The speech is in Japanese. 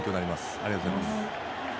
ありがとうございます。